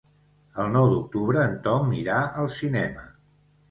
El nou d'octubre en Tom irà al cinema.